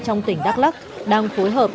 trong tỉnh đắk lắc đang phối hợp